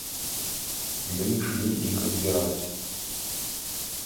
Ды ішлі іх збіраць.